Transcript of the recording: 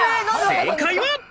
正解は。